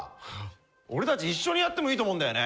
俺たち一緒にやってもいいと思うんだよね。